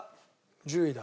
１０位だ。